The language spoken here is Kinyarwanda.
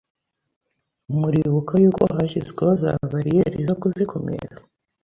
muribuka yuko hashyizweho za bariyeri zo kuzikumira.